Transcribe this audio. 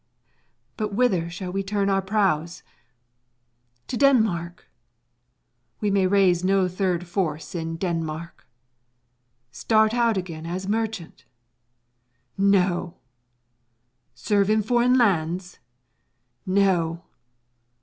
But whither shall we turn our prows? To Denmark? We may raise no third force in Denmark. Start out again as merchant? No! Serve in foreign lands? No!